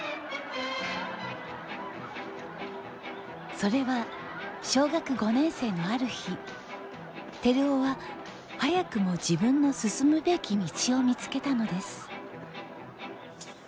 それは小学５年生のある日てるおは早くも自分の進むべき道を見つけたのです。